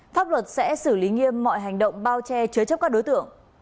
pháp luật sẽ xử lý nghiêm mọi hành động bao che chứa chấp các đối tượng